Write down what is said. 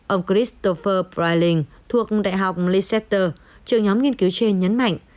ông christopher breiling thuộc đại học leicester trưởng nhóm nghiên cứu trên nhấn mạnh